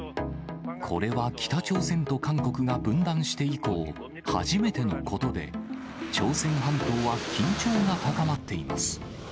これは北朝鮮と韓国が分断して以降、初めてのことで、朝鮮半島は緊張が高まっています。